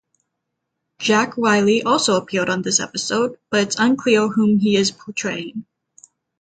Jack Riley also appeared on this episode, but it's unclear whom he is portraying.